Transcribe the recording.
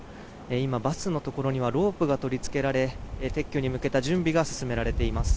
今、バスのところにはロープが取り付けられ撤去に向けた準備が進められています。